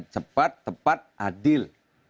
cepat tepat adil